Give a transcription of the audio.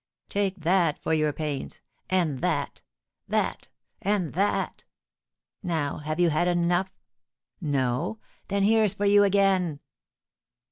Take that for your pains and that that and that! Now, have you had enough? No! Then here's for you again!"